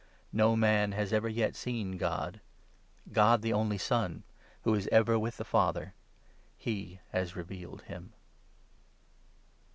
No man has ever yet seen God ; 18 God the Only Son, who is ever with the Father — He has revealed him.